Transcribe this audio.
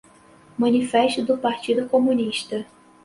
Manifesto do Partido Comunista